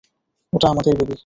ওটা আমাদের বেবি।